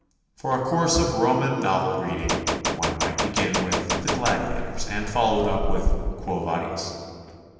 For a course of Roman novel reading one might begin with "The Gladiators," and follow it up with "Quo Vadis?"